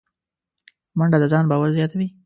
منډه د ځان باور زیاتوي